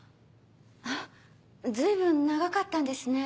あっ随分長かったんですね。